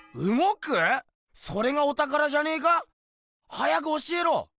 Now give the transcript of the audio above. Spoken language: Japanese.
早く教えろ。